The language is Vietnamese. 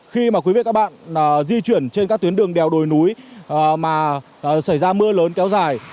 khi mà quý vị và các bạn di chuyển trên các tuyến đường đèo đồi núi mà xảy ra mưa lớn kéo dài